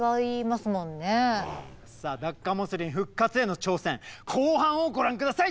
さあダッカモスリン復活への挑戦後半をご覧下さい。